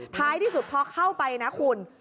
ท้ายที่สุดพอเข้าไปนะคุณ